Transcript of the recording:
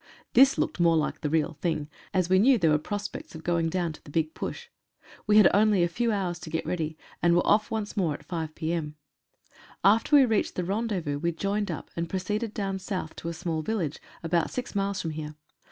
This looked more like the real thing, as we knew there were pros pects, of going down to the big push. We had only a few hours to get ready, and were off once more at 5 p.m. After we reached the rendezvous we joined up, and pro ceeded down South to a small village, about six miles from here.